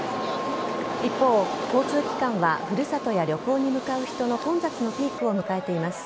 一方交通機関は古里や旅行に向かう人の混雑のピークを迎えています。